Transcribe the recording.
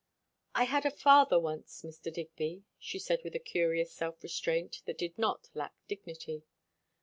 "I had a father, once, Mr. Digby, " she said with a curious self restraint that did not lack dignity.